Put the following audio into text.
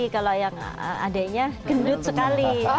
kalau yang adiknya gendut sekali